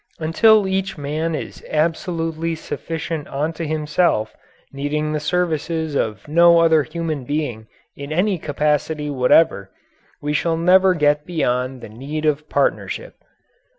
Until each man is absolutely sufficient unto himself, needing the services of no other human being in any capacity whatever, we shall never get beyond the need of partnership.